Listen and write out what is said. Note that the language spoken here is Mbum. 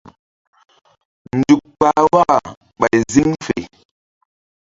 Nzuk pah waka ɓay ziŋ fe.